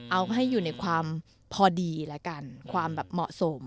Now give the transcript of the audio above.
เอาให้อยู่ในความพอดีแล้วกันความแบบเหมาะสม